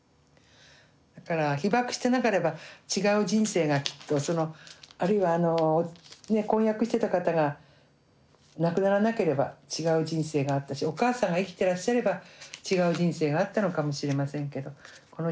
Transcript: だから被爆してなければ違う人生がきっとあるいはあの婚約してた方が亡くならなければ違う人生があったしお母さんが生きていらっしゃれば違う人生があったのかもしれませんけど。